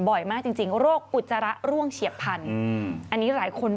บ่อยมากจริงจริงโรคอุจจาระร่วงเฉียบพันธุ์อันนี้หลายคน